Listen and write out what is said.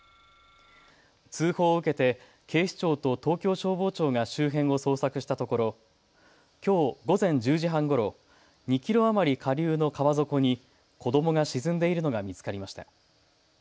通報を受けて警視庁と東京消防庁が周辺を捜索したところきょう午前１０時半ごろ、２キロ余り下流の川底に子どもが沈んでいるのが見つかりました。